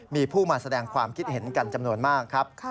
มีผู้มาแสดงความคิดเห็นกันจำนวนมากครับ